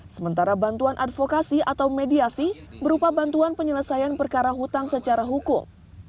sementara bantuan advokasi atau mediasi berupa bantuan penyelesaian perkara hutang secara hukum